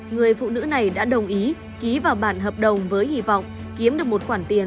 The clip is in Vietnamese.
người phụ nữ này đã đồng ý ký vào bản hợp đồng với hy vọng kiếm được một khoản tiền